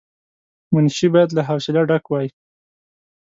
منشي باید له حوصله ډک وای.